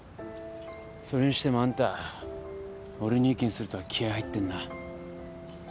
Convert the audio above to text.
それにしてもあんた俺に意見するとは気合入ってんな。